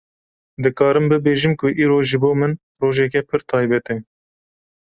Dikarim bibêjim ku îro ji bo min rojeke pir taybet e